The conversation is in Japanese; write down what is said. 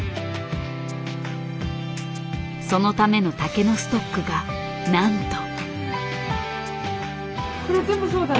そのための竹のストックがなんと。